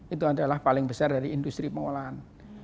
itu adalah paling besar dari industri pengolahan